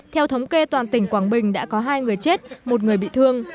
theo thống kê toàn tỉnh quảng bình đã có hai người chết một người bị thương